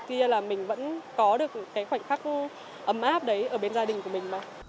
kia là mình vẫn có được cái khoảnh khắc ấm áp đấy ở bên gia đình của mình mà